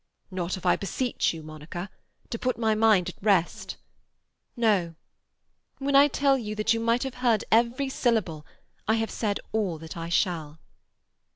"Not if I beseech you to, Monica? To put my mind at rest—" "No. When I tell you that you might have heard every syllable, I have said all that I shall."